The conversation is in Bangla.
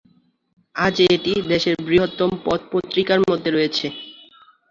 আজ, এটি দেশের বৃহত্তম পথ পত্রিকার মধ্যে রয়েছে।